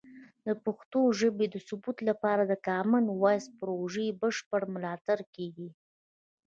د پښتو ژبې د ثبت لپاره د کامن وایس پروژې بشپړ ملاتړ کیږي.